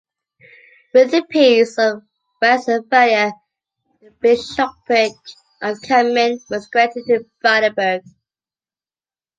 With the Peace of Westphalia, the Bishopric of Cammin was granted to Brandenburg.